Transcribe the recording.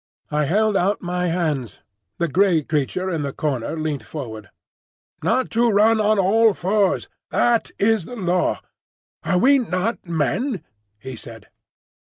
I held out my hands. The grey creature in the corner leant forward. "Not to run on all fours; that is the Law. Are we not Men?" he said.